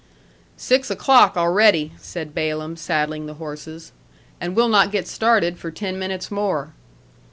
"Six o'clock, already," said Balaam, saddling the horses. "And we'll not get started for ten minutes more."